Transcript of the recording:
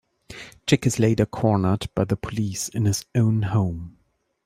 Chick is later cornered by the police in his own home.